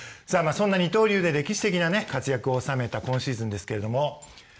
そんな二刀流で歴史的な活躍を収めた今シーズンですけれども。